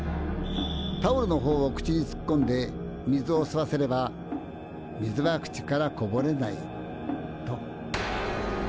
タオルのほうを口につっこんで水を吸わせれば水は口からこぼれないと。